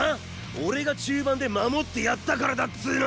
俺が中盤で守ってやったからだっつうの！